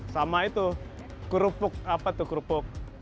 sama itu kerupuk apa tuh kerupuk